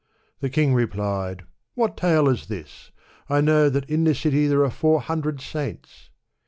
The king replied, ''What tale is this? I know that in this city there are four hundred saints."